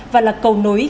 và là cầu nối